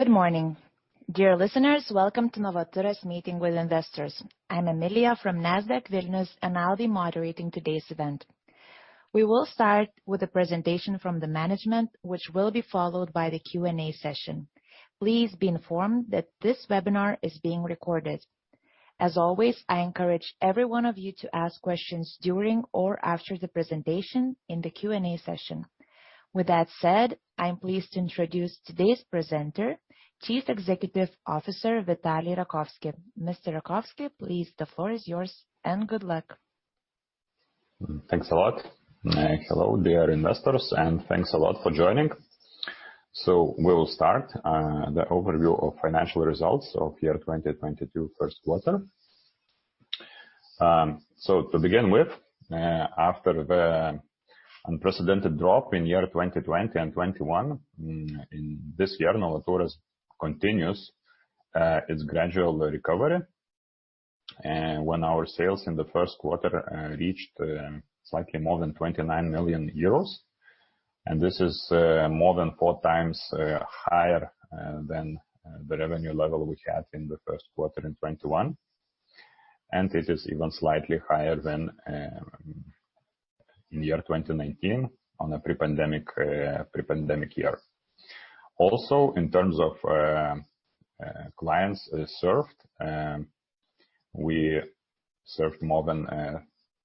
Good morning. Dear listeners, welcome to Novaturas meeting with investors. I'm Amelia from Nasdaq Vilnius, and I'll be moderating today's event. We will start with a presentation from the management, which will be followed by the Q&A session. Please be informed that this webinar is being recorded. As always, I encourage every one of you to ask questions during or after the presentation in the Q&A session. With that said, I'm pleased to introduce today's presenter, Chief Executive Officer Vitalij Rakovski. Mr. Rakovski, please, the floor is yours, and good luck. Thanks a lot. Hello, dear investors, and thanks a lot for joining. We will start the overview of financial results of year 2022 first quarter. To begin with, after the unprecedented drop in year 2020 and 2021, this year Novaturas continues its gradual recovery. When our sales in the first quarter reached slightly more than 29 million euros, this is more than four times higher than the revenue level we had in the first quarter in 2021. It is even slightly higher than year 2019 on a pre-pandemic year. Also, in terms of clients served. We served more than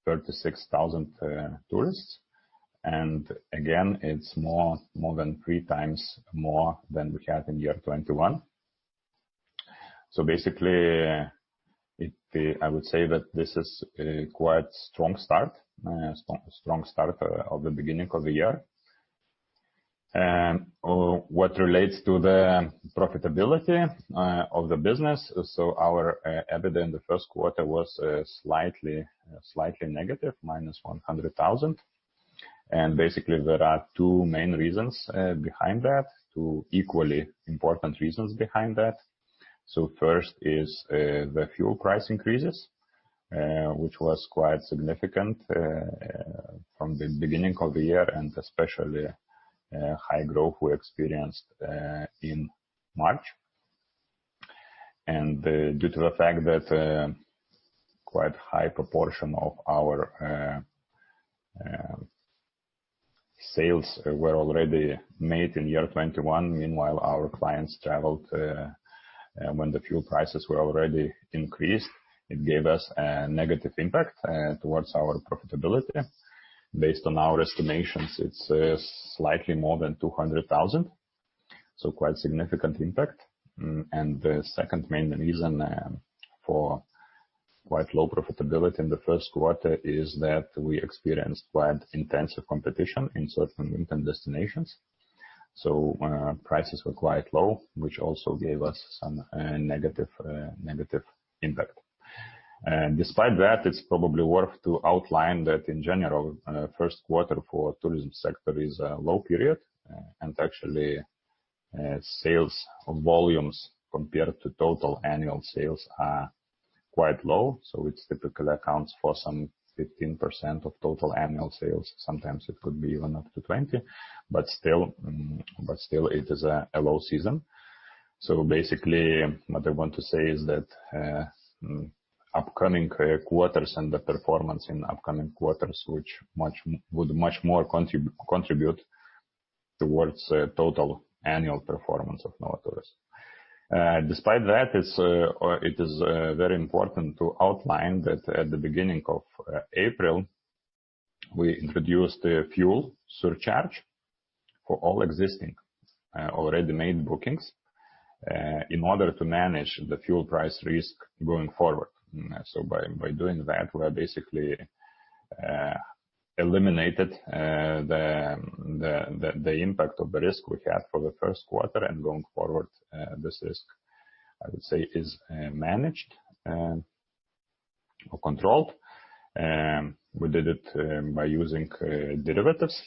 36,000 tourists. Again, it's more than three times more than we had in year 2021. Basically, I would say that this is a quite strong start, strong start of the beginning of the year, or what relates to the profitability of the business. Our EBITDA in the first quarter was slightly negative, -100,000. Basically, there are two main reasons behind that, two equally important reasons behind that. First is the fuel price increases, which was quite significant from the beginning of the year and especially high growth we experienced in March. Due to the fact that quite high proportion of our sales were already made in year 2021. Meanwhile, our clients traveled when the fuel prices were already increased. It gave us a negative impact towards our profitability. Based on our estimations, it's slightly more than 200 thousand, so quite significant impact. The second main reason for quite low profitability in the first quarter is that we experienced quite intensive competition in certain winter destinations. When our prices were quite low, which also gave us some negative impact. Despite that, it's probably worth to outline that in general, first quarter for tourism sector is a low period. Actually, sales volumes compared to total annual sales are quite low, so it typically accounts for some 15% of total annual sales. Sometimes it could be even up to 20%, but still it is a low season. Basically what I want to say is that upcoming quarters and the performance in upcoming quarters, which would much more contribute towards the total annual performance of Novaturas. Despite that, it is very important to outline that at the beginning of April, we introduced a fuel surcharge for all existing already made bookings in order to manage the fuel price risk going forward. By doing that, we're basically eliminated the impact of the risk we had for the first quarter and going forward. This risk, I would say, is managed or controlled. We did it by using derivatives.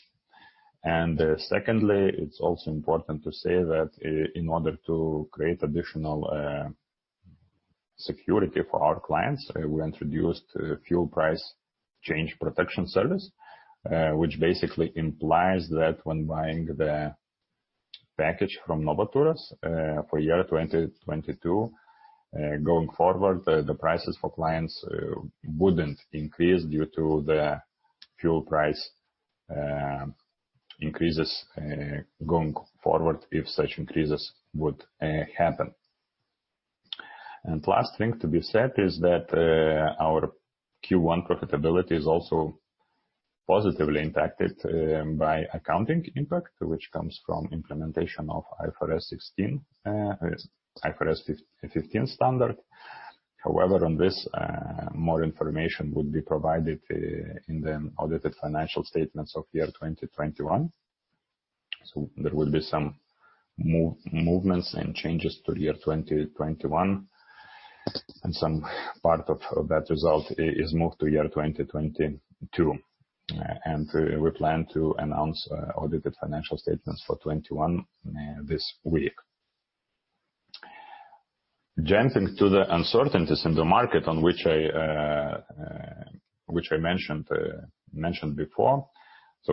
Secondly, it's also important to say that in order to create additional security for our clients, we introduced a fuel price change protection service. Which basically implies that when buying the package from Novaturas, for year 2022, going forward, the prices for clients wouldn't increase due to the fuel price increases, going forward, if such increases would happen. Last thing to be said is that, our Q1 profitability is also positively impacted, by accounting impact, which comes from implementation of IFRS 15 standard. However, on this, more information will be provided, in the audited financial statements of year 2021. There will be some movements and changes to year 2021, and some part of that result is moved to year 2022. We plan to announce, audited financial statements for 2021 this week. Jumping to the uncertainties in the market on which I mentioned before.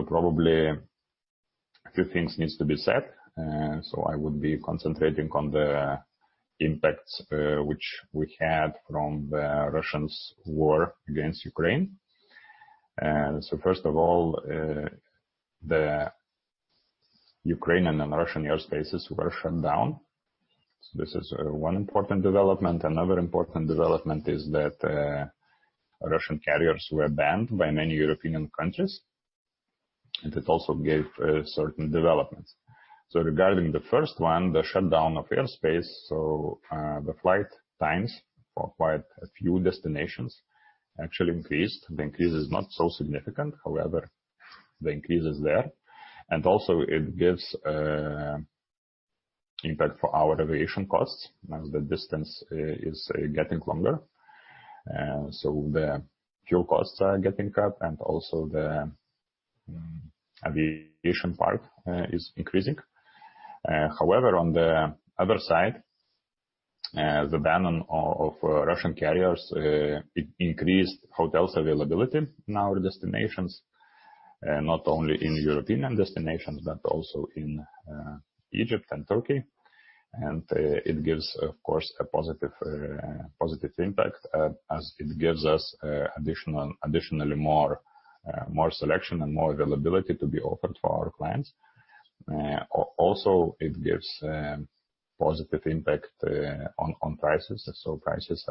Probably a few things needs to be said. I would be concentrating on the impacts which we had from the Russians' war against Ukraine. First of all, the Ukrainian and Russian airspaces were shut down. This is one important development. Another important development is that Russian carriers were banned by many European countries, and it also gave certain developments. Regarding the first one, the shutdown of airspace. The flight times for quite a few destinations actually increased. The increase is not so significant, however, the increase is there. Also it gives impact for our aviation costs as the distance is getting longer. The fuel costs are getting up and also the aviation part is increasing. However, on the other side, the ban on Russian carriers increased hotel availability in our destinations. Not only in European destinations, but also in Egypt and Turkey. It gives, of course, a positive impact as it gives us additionally more selection and more availability to be offered for our clients. Also it gives positive impact on prices. Prices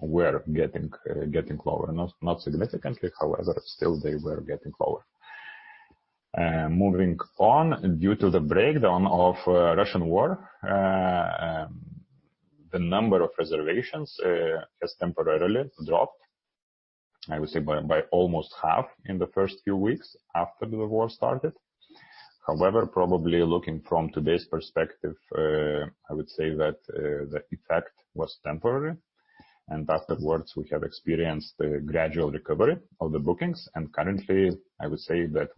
were getting lower. Not significantly, however, still they were getting lower. Moving on. Due to the outbreak of the Russian war, the number of reservations has temporarily dropped. I would say by almost half in the first few weeks after the war started. However, probably looking from today's perspective, I would say that the effect was temporary. Afterwards we have experienced a gradual recovery of the bookings. Currently, I would say that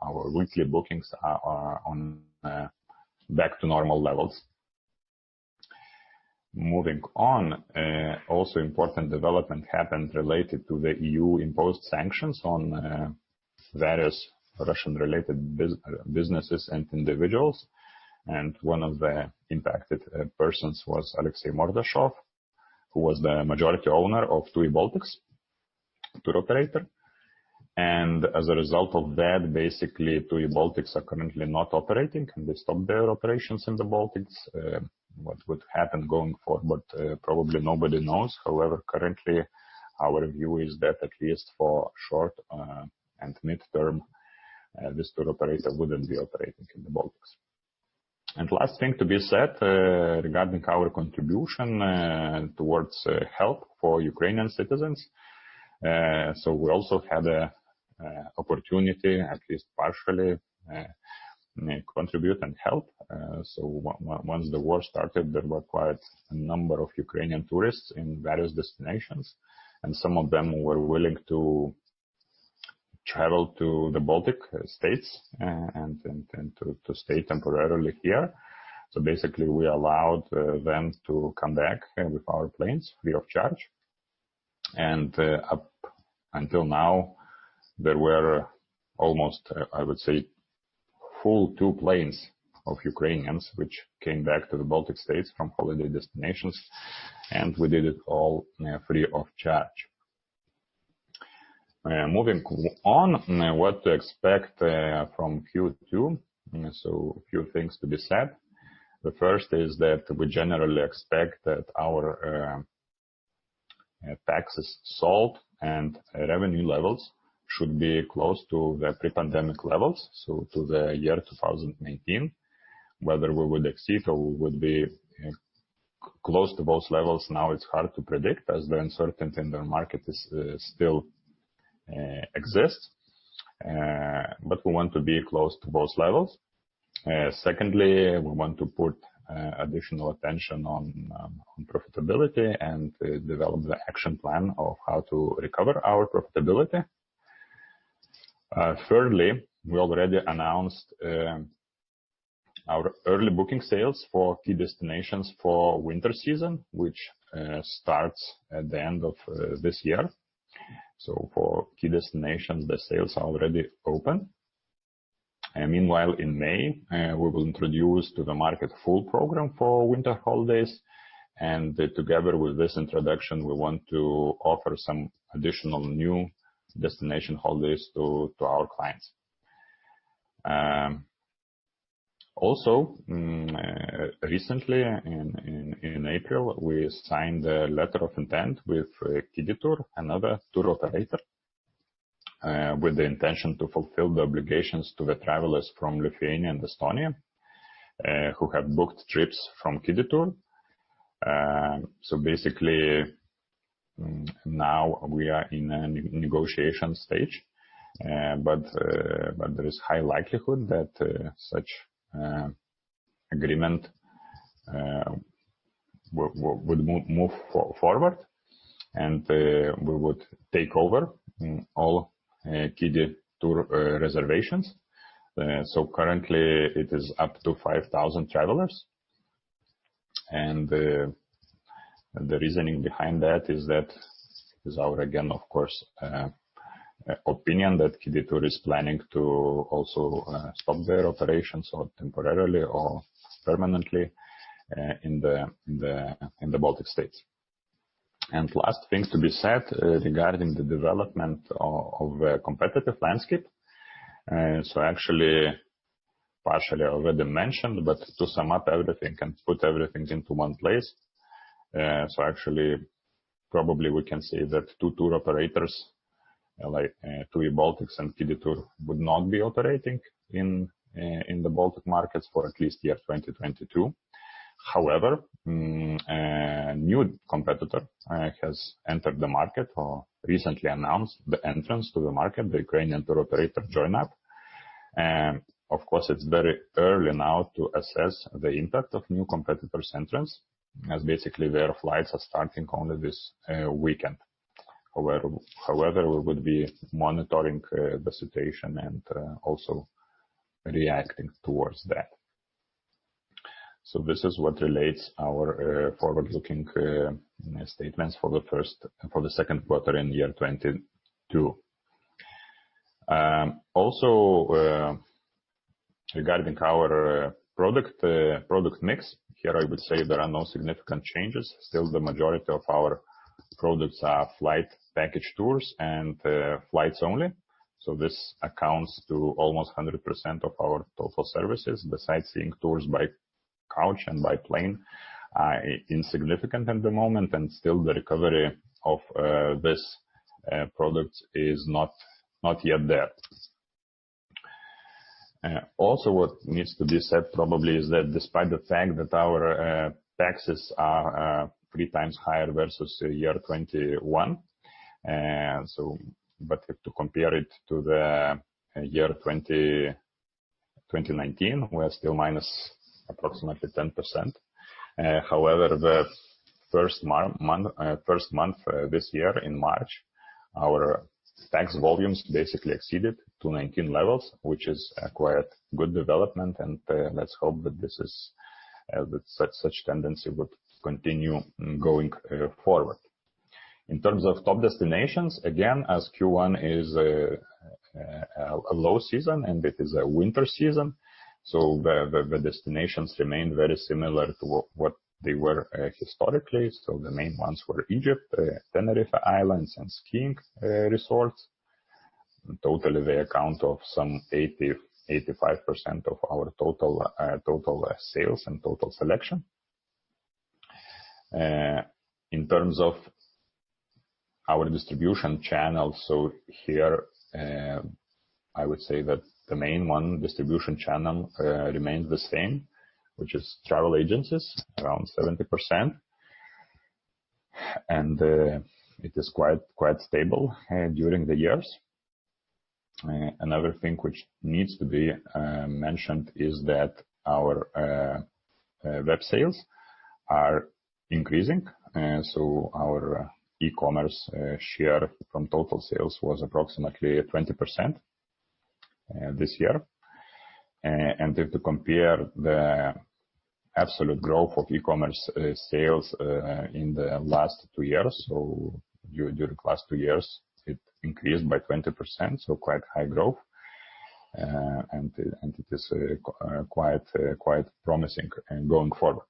our weekly bookings are on back to normal levels. Moving on. Also important development happened related to the EU-imposed sanctions on various Russian-related businesses and individuals. One of the impacted persons was Alexey Mordashov, who was the majority owner of TUI Baltics tour operator. As a result of that, basically, TUI Baltics are currently not operating, and they stopped their operations in the Baltics. What would happen going forward, probably nobody knows. However, currently our view is that at least for short and mid-term, this tour operator wouldn't be operating in the Baltics. Last thing to be said regarding our contribution towards help for Ukrainian citizens. We also had an opportunity, at least partially, contribute and help. Once the war started, there were quite a number of Ukrainian tourists in various destinations, and some of them were willing to travel to the Baltic States and to stay temporarily here. Basically, we allowed them to come back with our planes free of charge. Up until now, there were almost, I would say, full two planes of Ukrainians which came back to the Baltic States from holiday destinations, and we did it all free of charge. Moving on. What to expect from Q2? A few things to be said. The first is that we generally expect that our sales volume and revenue levels should be close to the pre-pandemic levels to the year 2018. Whether we would exceed or would be close to those levels, now it's hard to predict as the uncertainty in the market is still exists. We want to be close to those levels. Secondly, we want to put additional attention on profitability and develop the action plan of how to recover our profitability. Thirdly, we already announced our early booking sales for key destinations for winter season, which starts at the end of this year. For key destinations, the sales are already open. Meanwhile in May, we will introduce to the market full program for winter holidays. Together with this introduction, we want to offer some additional new destination holidays to our clients. Also, recently in April, we signed a letter of intent with Kidy Tour, another tour operator, with the intention to fulfill the obligations to the travelers from Lithuania and Estonia, who have booked trips from Kidy Tour. Basically now we are in a negotiation stage. There is high likelihood that such agreement will move forward. We would take over all Kidy Tour reservations. Currently it is up to 5,000 travelers. The reasoning behind that is that our, again, of course, opinion that Kidy Tour is planning to also stop their operations or temporarily or permanently in the Baltic states. Last things to be said regarding the development of competitive landscape. Actually partially I already mentioned, but to sum up everything and put everything into one place. Probably we can say that two tour operators, like, TUI Baltics and Kidy Tour would not be operating in the Baltic markets for at least 2022. However, new competitor has entered the market or recently announced the entrance to the market, the Ukrainian tour operator Join UP!. Of course, it's very early now to assess the impact of new competitor's entrance, as basically their flights are starting only this weekend. However, we would be monitoring the situation and also reacting towards that. This is what relates to our forward-looking statements for the second quarter in 2022. Regarding our product mix. Here I would say there are no significant changes. Still, the majority of our products are flight package tours and flights only. This accounts to almost 100% of our total services. The sightseeing tours by coach and by plane are insignificant at the moment, and still the recovery of this product is not yet there. Also what needs to be said probably is that despite the fact that our taxes are three times higher versus 2021, to compare it to the year 2019, we are still minus approximately 10%. However, the first month this year in March, our tax volumes basically exceeded 2019 levels, which is a quite good development. Let's hope that this is that such tendency would continue going forward. In terms of top destinations, again, as Q1 is a low season, and it is a winter season, the destinations remain very similar to what they were historically. The main ones were Egypt, Tenerife Islands and skiing resorts. In total they account for some 85% of our total sales and total selection. In terms of our distribution channels, here I would say that the main distribution channel remains the same, which is travel agencies, around 70%. It is quite stable during the years. Another thing which needs to be mentioned is that our web sales are increasing. Our e-commerce share from total sales was approximately 20% this year. If to compare the absolute growth of e-commerce sales in the last two years. During the last two years, it increased by 20%, quite high growth. It is quite promising going forward.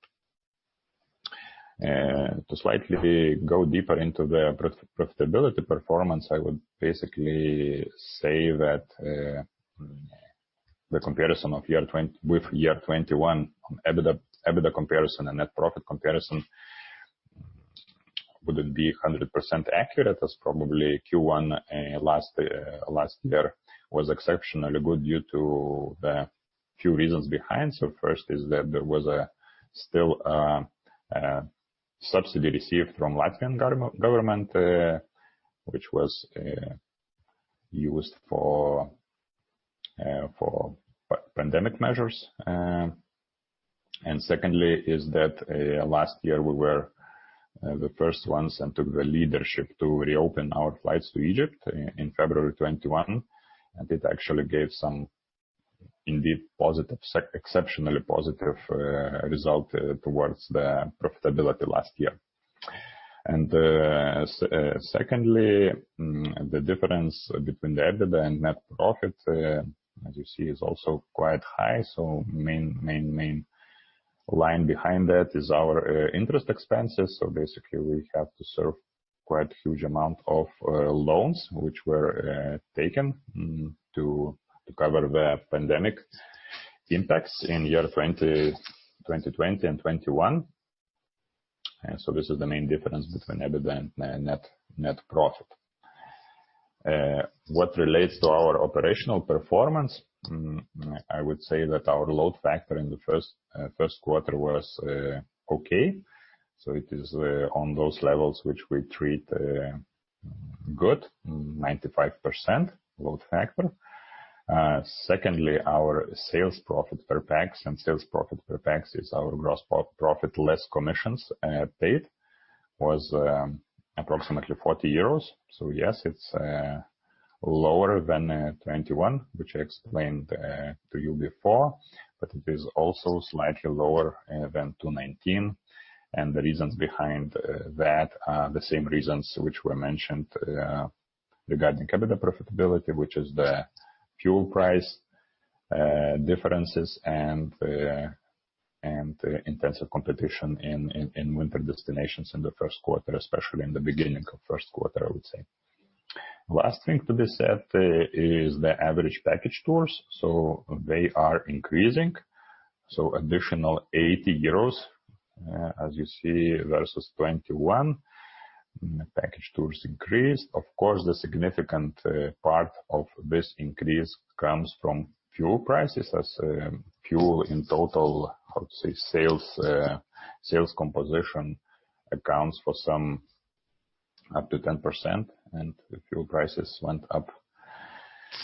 To slightly go deeper into the profitability performance, I would basically say that the comparison of year 2022 with year 2021 on EBITDA comparison and net profit comparison wouldn't be 100% accurate, as probably Q1 last year was exceptionally good due to a few reasons behind. First is that there was still a subsidy received from Latvian government, which was used for pandemic measures. Secondly, last year we were the first ones and took the leadership to reopen our flights to Egypt in February 2021. It actually gave some indeed exceptionally positive result towards the profitability last year. And secondly, the difference between the EBITDA and net profit, as you see, is also quite high. Main line behind that is our interest expenses. Basically, we have to serve quite huge amount of loans which were taken to cover the pandemic impacts in year 2020 and 2021. This is the main difference between EBITDA and net profit. What relates to our operational performance, I would say that our load factor in the first quarter was okay. So it is on those levels which we target. 95% load factor. Secondly, our sales profit per pax, and sales profit per pax is our gross profit less commissions paid was approximately 40 euros. Yes, it's lower than 2021, which I explained to you before, but it is also slightly lower than 2019. The reasons behind that are the same reasons which were mentioned regarding capital profitability, which is the fuel price differences and the intensive competition in winter destinations in the first quarter, especially in the beginning of first quarter, I would say. Last thing to be said is the average package tours. They are increasing. Additional 80 euros as you see versus 2021. Package tours increased. Of course, the significant part of this increase comes from fuel prices. As fuel in total sales composition accounts for some up to 10%, and the fuel prices went up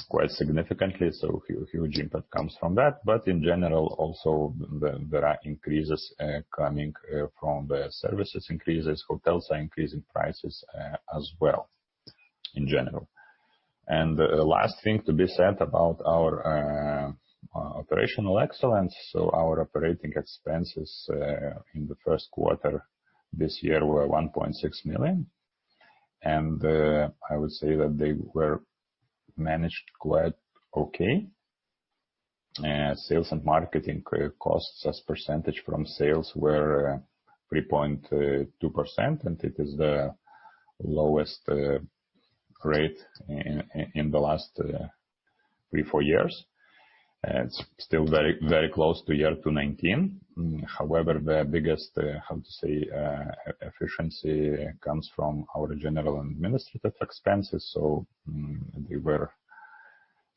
quite significantly. Huge impact comes from that. In general also there are increases coming from the services increases. Hotels are increasing prices as well in general. The last thing to be said about our operational excellence. Our operating expenses in the first quarter this year were 1.6 million. I would say that they were managed quite okay. Sales and marketing costs as percentage from sales were 3.2%, and it is the lowest rate in the last three, four years. It's still very close to 2019. However, the biggest efficiency comes from our general and administrative expenses. They were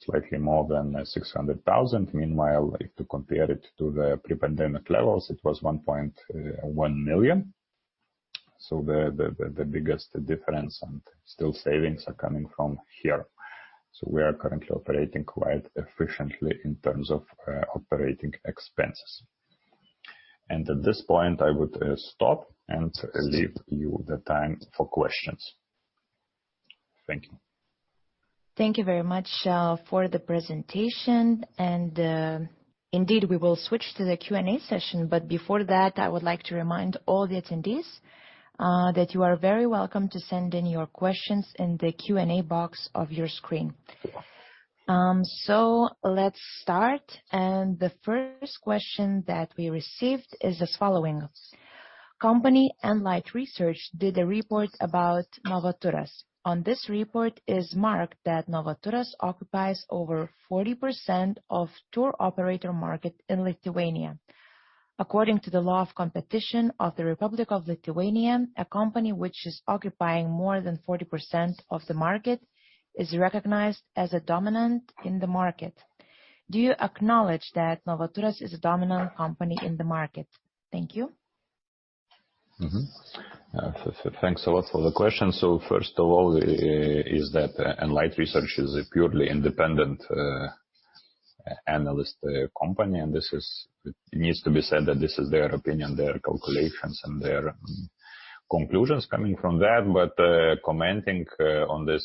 slightly more than 600,000. Meanwhile, if to compare it to the pre-pandemic levels, it was 1.1 million. The biggest difference and still savings are coming from here. We are currently operating quite efficiently in terms of operating expenses. At this point, I would stop and leave you the time for questions. Thank you. Thank you very much for the presentation. Indeed, we will switch to the Q&A session. Before that, I would like to remind all the attendees that you are very welcome to send in your questions in the Q&A box of your screen. Let's start. The first question that we received is as following: Enlight Research did a report about Novaturas. On this report is marked that Novaturas occupies over 40% of tour operator market in Lithuania. According to the Law on Competition of the Republic of Lithuania, a company which is occupying more than 40% of the market is recognized as a dominant in the market. Do you acknowledge that Novaturas is a dominant company in the market? Thank you. Thanks a lot for the question. First of all, is that Enlight Research is a purely independent analyst company, and this is. It needs to be said that this is their opinion, their calculations, and their conclusions coming from that. Commenting on this,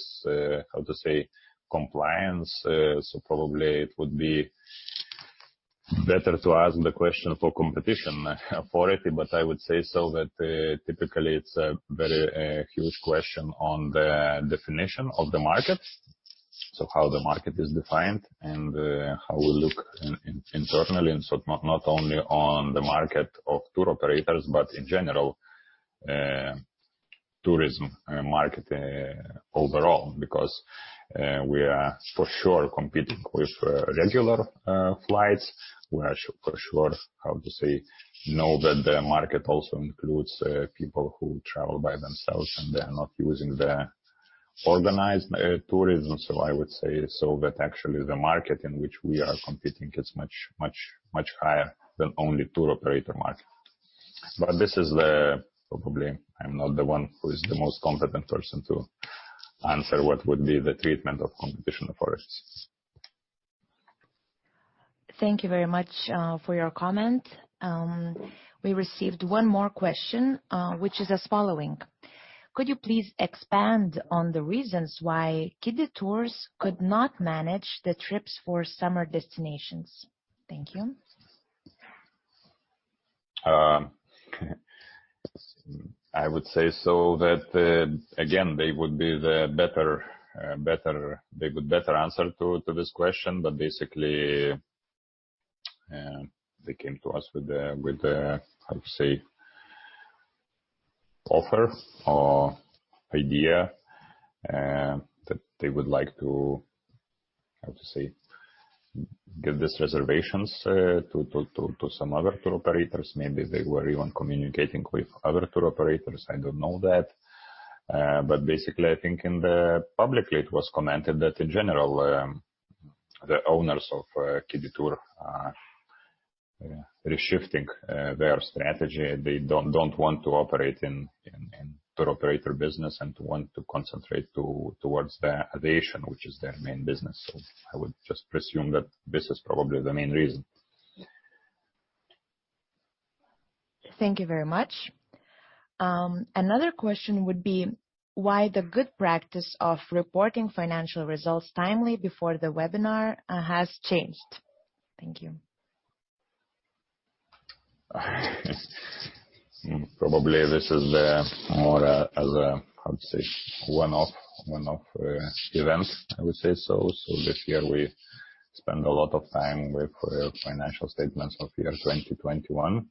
how to say, compliance, probably it would be better to ask the question for competition authority. I would say that typically it's a very huge question on the definition of the market. How the market is defined and how we look internally. Not only on the market of tour operators, but in general tourism market overall. Because we are for sure competing with regular flights. We are for sure, how to say, we know that the market also includes people who travel by themselves, and they are not using the organized tourism. I would say so that actually the market in which we are competing is much, much, much higher than only tour operator market. Probably I'm not the one who is the most competent person to answer what would be the treatment of competition authorities. Thank you very much for your comment. We received one more question, which is as follows: Could you please expand on the reasons why Kidy Tour could not manage the trips for summer destinations? Thank you. I would say so that again they would be better to answer to this question. Basically they came to us with a how to say offer or idea that they would like to how to say give these reservations to some other tour operators. Maybe they were even communicating with other tour operators. I don't know that. Basically I think publicly it was commented that in general the owners of Kidy Tour are reshifting their strategy. They don't want to operate in tour operator business and want to concentrate towards the aviation which is their main business. I would just presume that this is probably the main reason. Thank you very much. Another question would be: Why the good practice of reporting financial results timely before the webinar has changed? Thank you. Probably this is the more one-off event, I would say so. This year we spend a lot of time with financial statements of year 2021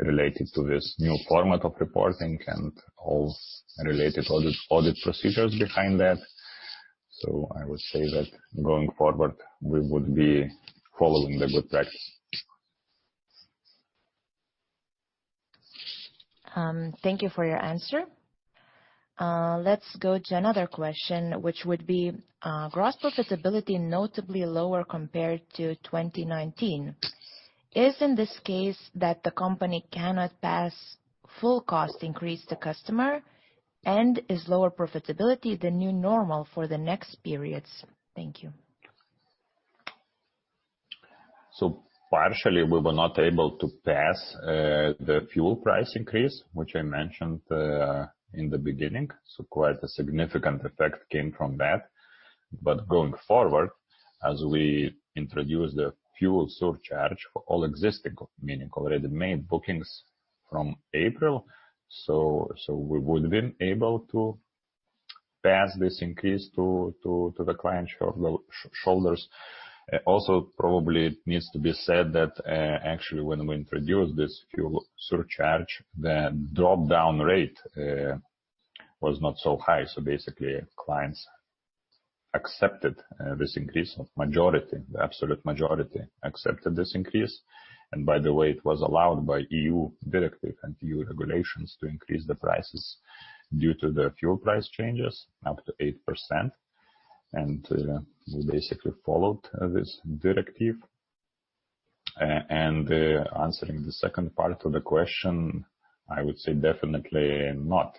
related to this new format of reporting and all related audit procedures behind that. I would say that going forward, we would be following the good practice. Thank you for your answer. Let's go to another question, which would be: Gross profitability notably lower compared to 2019. Is in this case that the company cannot pass full cost increase to customer, and is lower profitability the new normal for the next periods? Thank you. Partially, we were not able to pass the fuel price increase, which I mentioned in the beginning, so quite a significant effect came from that. Going forward, as we introduce the fuel surcharge for all existing, meaning already made bookings from April, so we would've been able to pass this increase to the clients' shoulders. Also probably it needs to be said that, actually, when we introduced this fuel surcharge, the dropout rate was not so high. Basically, clients accepted this increase. Majority, the absolute majority accepted this increase. By the way, it was allowed by EU directive and EU regulations to increase the prices due to the fuel price changes up to 8%. We basically followed this directive. Answering the second part of the question, I would say definitely not.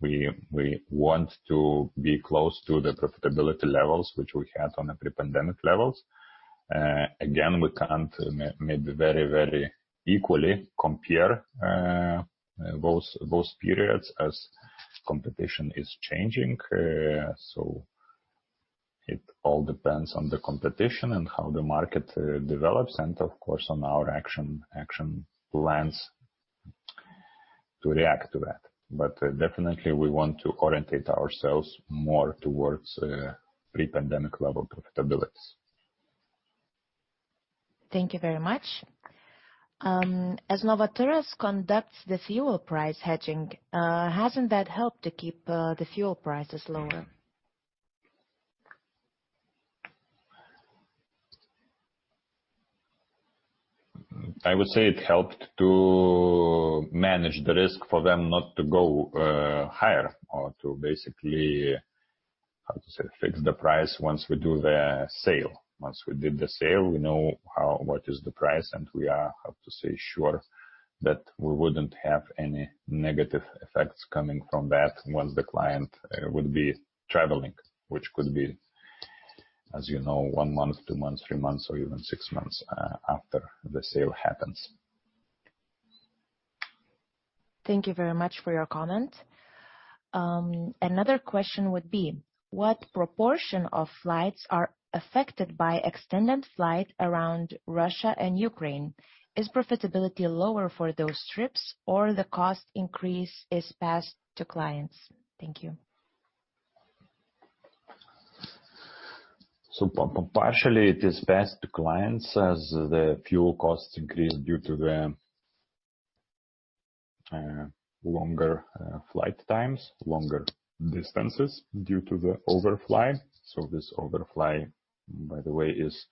We want to be close to the profitability levels which we had on the pre-pandemic levels. Again, we can't maybe very equally compare those periods as competition is changing. It all depends on the competition and how the market develops and of course, on our action plans to react to that. Definitely we want to orientate ourselves more towards pre-pandemic level profitabilities. Thank you very much. As Novaturas conducts the fuel price hedging, hasn't that helped to keep the fuel prices lower? I would say it helped to manage the risk for them not to go higher or to basically fix the price once we do the sale. Once we did the sale, we know what the price is, and we are sure that we wouldn't have any negative effects coming from that once the client would be traveling, which could be, as you know, one month, two months, three months or even six months after the sale happens. Thank you very much for your comment. Another question would be: What proportion of flights are affected by extended flights around Russia and Ukraine? Is profitability lower for those trips, or the cost increase is passed to clients? Thank you. Partially, it is passed to clients as the fuel costs increase due to the longer flight times, longer distances due to the overfly. This overfly, by the way, is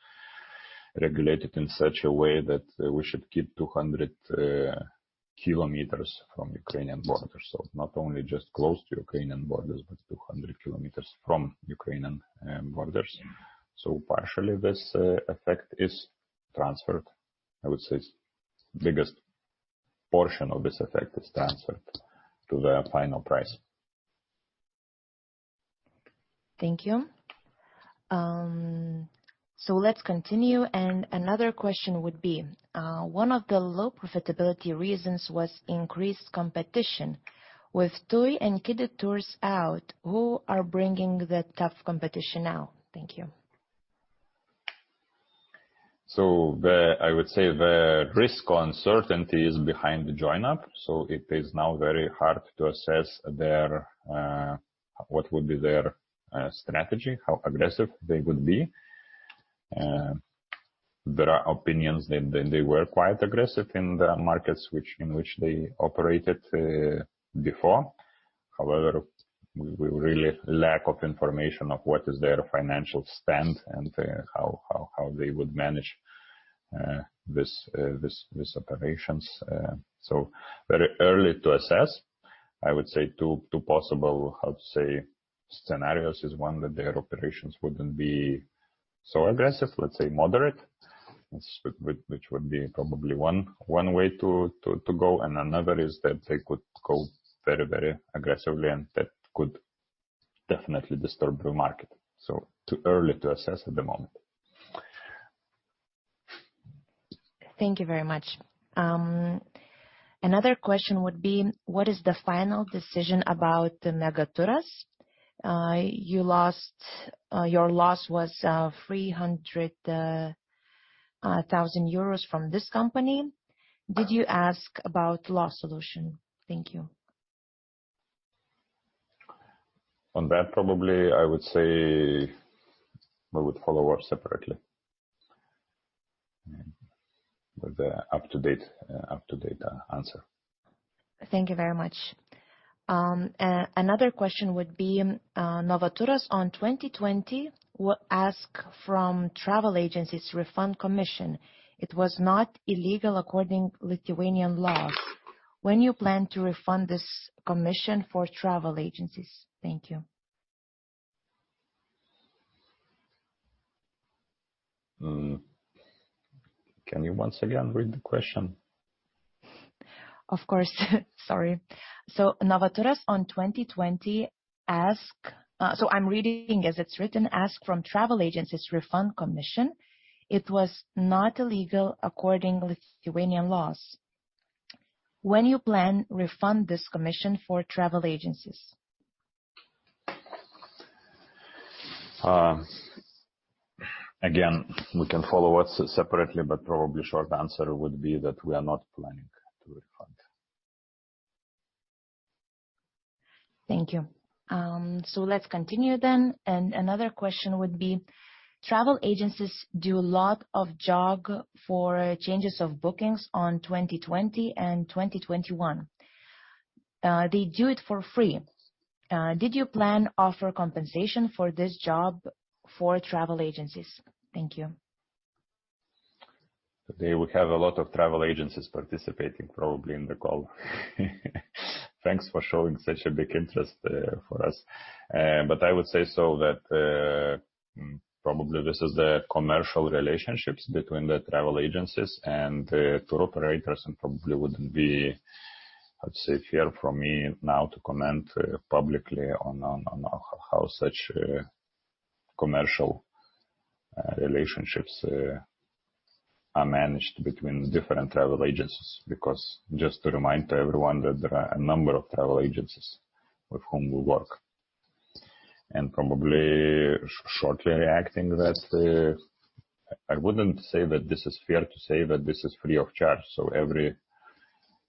regulated in such a way that we should keep 200km from Ukrainian borders. Not only just close to Ukrainian borders, but 200km from Ukrainian borders. Partially this effect is transferred. I would say biggest portion of this effect is transferred to the final price. Thank you. Let's continue. Another question would be: One of the low profitability reasons was increased competition. With TUI and Kidy Tour out, who are bringing the tough competition now? Thank you. I would say the risk uncertainty is behind the Join UP!, so it is now very hard to assess their what would be their strategy, how aggressive they would be. There are opinions they were quite aggressive in the markets in which they operated before. However, we really lack of information of what is their financial stand and how they would manage this operations, so very early to assess. I would say two possible how to say scenarios, is one that their operations wouldn't be so aggressive, let's say moderate, which would be probably one way to go. Another is that they could go very, very aggressively, and that could definitely disturb the market. Too early to assess at the moment. Thank you very much. Another question would be what is the final decision about Novaturas? Your loss was 300 thousand euros from this company. Did you ask about loss solution? Thank you. On that, probably I would say we would follow up separately. With the up-to-date answer. Thank you very much. Another question would be, Novaturas on 2020 will ask from travel agencies refund commission. It was not illegal according to Lithuanian laws. When you plan to refund this commission for travel agencies? Thank you. Can you once again read the question? Of course. Sorry. Novaturas on 2020. I'm reading as it's written, "Ask from travel agencies refund commission. It was not illegal according Lithuanian laws." When you plan refund this commission for travel agencies? Again, we can follow up separately, but probably short answer would be that we are not planning to refund. Thank you. Let's continue then. Another question would be. Travel agencies do a lot of job for changes of bookings on 2020 and 2021. They do it for free. Did you plan offer compensation for this job for travel agencies? Thank you. Today we have a lot of travel agencies participating probably in the call. Thanks for showing such a big interest for us. I would say so that probably this is the commercial relationships between the travel agencies and the tour operators, and probably wouldn't be, I'd say, fair for me now to comment publicly on how such commercial relationships are managed between different travel agencies. Because just to remind everyone that there are a number of travel agencies with whom we work. Probably shortly reacting that, I wouldn't say that this is fair to say that this is free of charge.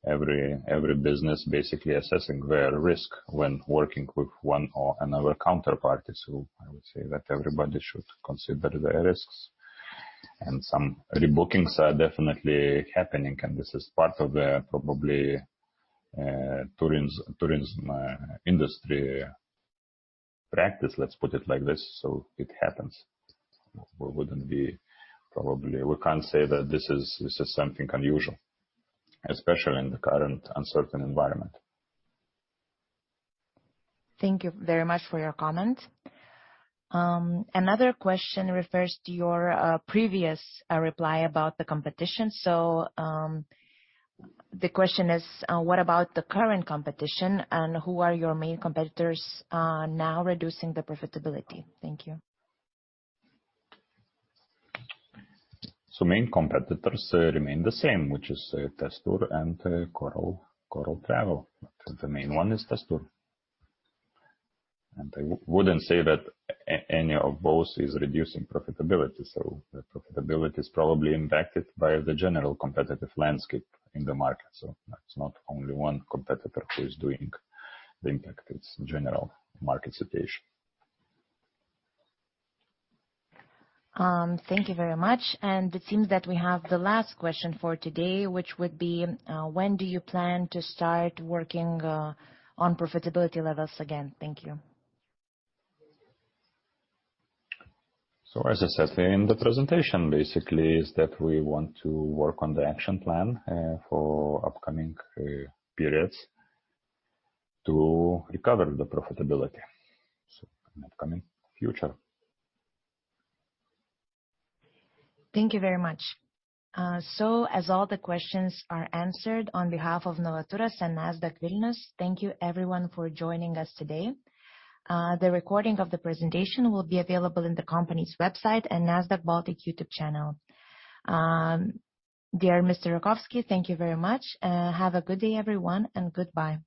Every business basically assessing their risk when working with one or another counterparties. I would say that everybody should consider their risks. Some rebookings are definitely happening, and this is part of the probably tourism industry practice. Let's put it like this. It happens. Probably we can't say that this is something unusual, especially in the current uncertain environment. Thank you very much for your comment. Another question refers to your previous reply about the competition. The question is, what about the current competition, and who are your main competitors now reducing the profitability? Thank you. Main competitors remain the same, which is TUI and Coral Travel. The main one is TUI. I wouldn't say that any of those is reducing profitability. The profitability is probably impacted by the general competitive landscape in the market. That's not only one competitor who is doing the impact, it's general market situation. Thank you very much. It seems that we have the last question for today, which would be, when do you plan to start working on profitability levels again? Thank you. As I said in the presentation, basically is that we want to work on the action plan for upcoming periods to recover the profitability, so in upcoming future. Thank you very much. As all the questions are answered, on behalf of Novaturas and Nasdaq Vilnius, thank you everyone for joining us today. The recording of the presentation will be available in the company's website and Nasdaq Baltic YouTube channel. Dear Mr. Rakovski, thank you very much. Have a good day everyone and goodbye.